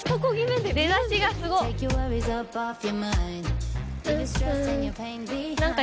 出だしがすごっ！